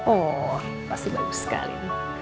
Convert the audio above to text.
oh pasti bagus sekali